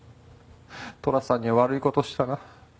寅さんに悪い事したな。